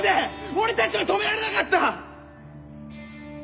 俺たちは止められなかった‼